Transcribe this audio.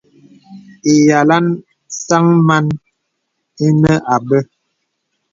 Ìyàlaŋ sàŋ màn ìnə àbə̀.